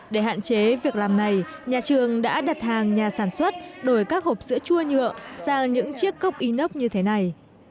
để hạn chế việc làm này nhà trường đã đặt hàng nhà sản xuất đổi các hộp sữa chua nhựa sang những chiếc cốc inox như thế này